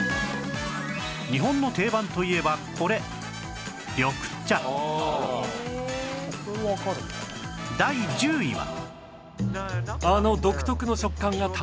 日本の定番といえばこれ第１０位は